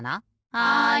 はい。